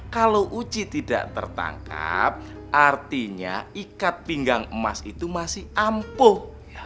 kalau uci tidak tertangkap artinya ikat pinggang emas itu masih ampuh